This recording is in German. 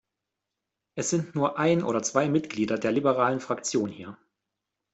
Es sind nur ein oder zwei Mitglieder der liberalen Fraktion hier.